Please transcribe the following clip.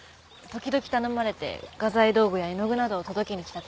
時々頼まれて画材道具や絵の具などを届けに来た程度です。